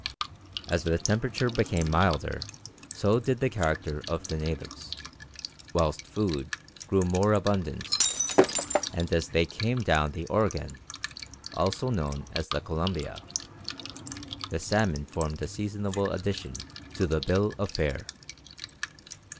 As the temperature became milder, so did the character of the natives, whilst food grew more abundant; and as they came down the Oregon, also known as the Columbia, the salmon formed a seasonable addition to the bill of fare.